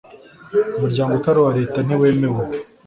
umuryango utari uwa leta ntiwemewe